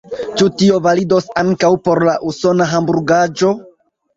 Ĉu tio validos ankaŭ por la usona hamburgaĵo?